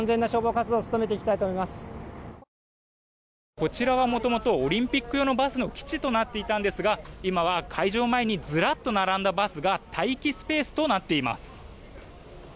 こちらは元々オリンピック用のバスの基地となっていたんですが今は会場前にずらっと並んだバスが待機スペースとなっています。